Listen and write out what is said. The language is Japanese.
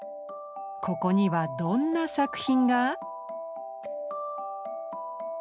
ここにはどんな作品が？